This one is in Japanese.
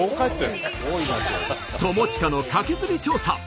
友近のカケズリ調査。